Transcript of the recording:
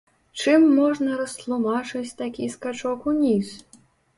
Чым можна растлумачыць такі скачок уніз?